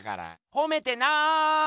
ほめてない！